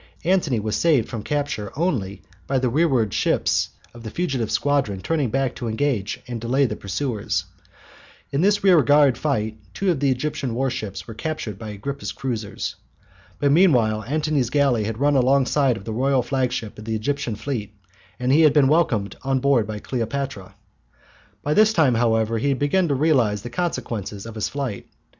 Antony was saved from capture only by the rearward ships of the fugitive squadron turning back to engage and delay the pursuers. In this rearguard fight two of the Egyptian warships were captured by Agrippa's cruisers. But meanwhile Antony's galley had run alongside of the royal flagship of the Egyptian fleet, and he had been welcomed on board by Cleopatra. By this time, however, he had begun to realize the consequences of his flight.